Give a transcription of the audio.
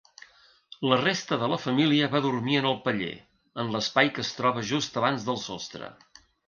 La resta de la família va dormir en el paller, en l'espai que es troba just abans del sostre.